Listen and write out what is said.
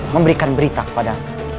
memberikan berita kepada